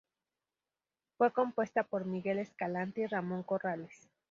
Fue compuesta por Miguel Escalante y Ramón Corrales.